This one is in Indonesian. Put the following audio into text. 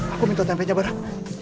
aku minta tempanya barah